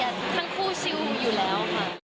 ทั้งคู่เชียวอยู่แล้ว